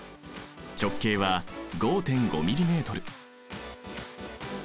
直径は５．５ｍｍ。